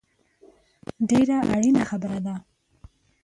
ډېره اړینه خبره ده